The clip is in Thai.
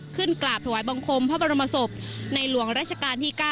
กราบถวายบังคมพระบรมศพในหลวงราชการที่๙